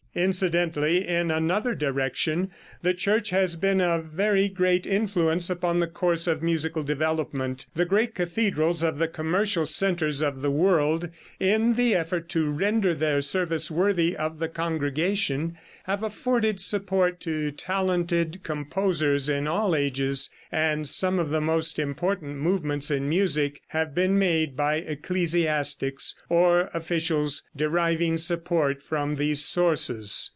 Incidentally, in another direction, the Church has been of very great influence upon the course of musical development. The great cathedrals of the commercial centers of the world, in the effort to render their service worthy of the congregation, have afforded support to talented composers in all ages, and some of the most important movements in music have been made by ecclesiastics or officials deriving support from these sources.